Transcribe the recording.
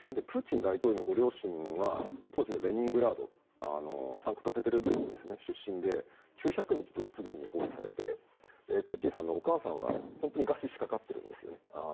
プーチン大統領のご両親は当時のレニングラードサンクトペテルブルク出身で９００日ドイツ軍に包囲されてプーチンさんのお母さんは本当に餓死しかかっているんです。